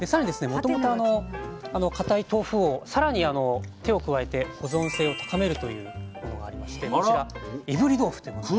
もともと固い豆腐をさらに手を加えて保存性を高めるというものがありましてこちらいぶり豆腐というものが。